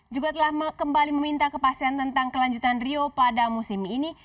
juga telah kembali meminta kepastian tentang kelanjutan rio pada musim ini